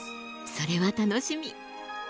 それは楽しみ！